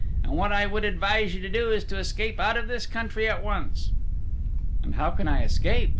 And what I would advise you to do is to escape out of this country at once." "And how can I escape?"